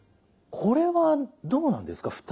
これはどうなんですか？